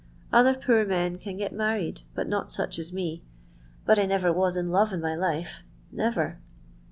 Other poor men can get married, but net such as me. But I never was in leva in mj lift never."